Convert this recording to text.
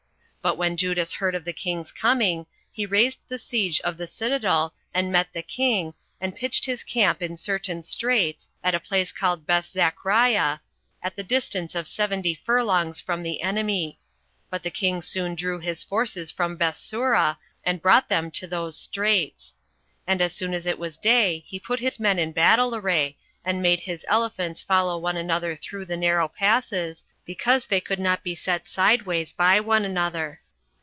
But when Judas heard of the king's coming, he raised the siege of the citadel, and met the king, and pitched his camp in certain straits, at a place called Bethzachriah, at the distance of seventy furlongs from the enemy; but the king soon drew his forces from Bethsura, and brought them to those straits. And as soon as it was day, he put his men in battle array, and made his elephants follow one another through the narrow passes, because they could not be set sideways by one another.